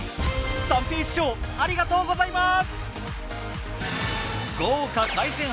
三平師匠ありがとうございます！